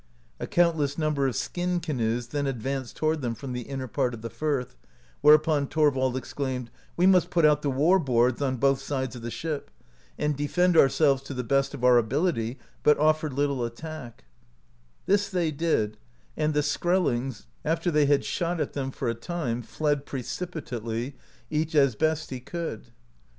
'' A countless number of skin ca noes then advanced toward them from the inner part of the firth, whereupon Thorvald exclaimed: Wc must put out the war boards (08), on both sides of the ship, and defend ourselves to the best of our abiWty, but oflFer little attack/' This they did, and the SkreHings, after they had shot at them for a time, fled precipitately, each as best he could.